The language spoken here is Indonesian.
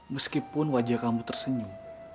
meskipun wajah kamu tersenyum